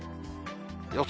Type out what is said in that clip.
予想